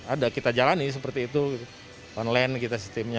ada kita jalani seperti itu online kita sistemnya